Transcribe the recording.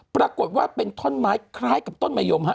ปรากฏว่าเป็นท่อนไม้คล้ายกับต้นมะยมฮะ